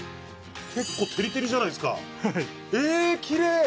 結構、照り照りじゃないですか。